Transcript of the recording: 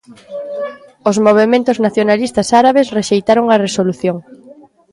Os movementos nacionalistas árabes rexeitaron a resolución.